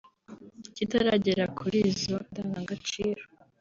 kitaragera kuri izo ndangagaciro